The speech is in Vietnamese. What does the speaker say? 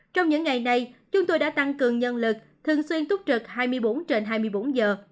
trong những ngày này chúng tôi đã tăng cường nhân lực thường xuyên túc trực hai mươi bốn trên hai mươi bốn giờ